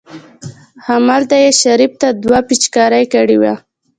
همالته يې شريف ته دوا پېچکاري کړې وه.